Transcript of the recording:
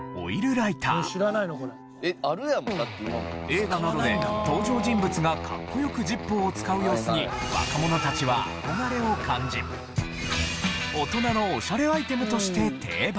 映画などで登場人物がかっこよくジッポーを使う様子に若者たちは憧れを感じ大人のおしゃれアイテムとして定番化。